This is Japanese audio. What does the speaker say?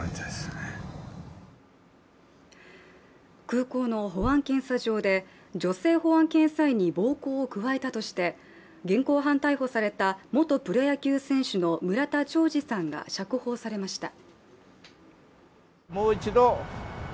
空港の保安検査場で女性保安検査員に暴行を加えたとして現行犯逮捕された元プロ野球選手の村田兆治さんが釈放されました。